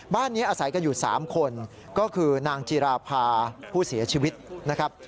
บ้านนี้อาศัยกันอยู่๓คนก็คือนางจิราภาผู้เสียชีวิตนะครับ